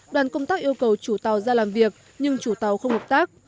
đoàn công tác yêu cầu chủ tàu ra làm việc nhưng chủ tàu không hợp tác